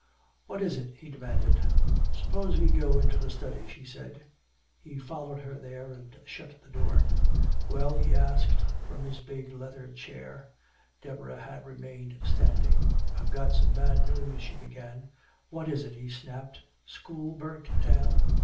"What is it?" he demanded. "Suppose we go into the study," she said. He followed her there and shut the door. "Well?" he asked, from his big leather chair. Deborah had remained standing. "I've got some bad news," she began. "What is it?" he snapped. "School burnt down?"